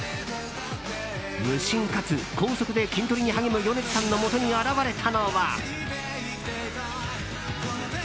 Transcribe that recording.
無心かつ高速で筋トレに励む米津さんのもとに現れたのは。